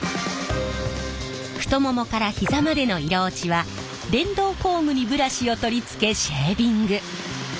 太ももから膝までの色落ちは電動工具にブラシを取り付けシェービング。